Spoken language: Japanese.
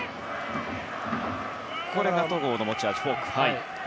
戸郷の持ち味フォーク。